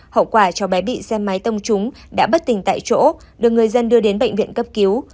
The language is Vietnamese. hậu quả cháu bé bị xe máy tông trúng đã bất tỉnh tại chỗ được người dân đưa đến bệnh viện cấp cứu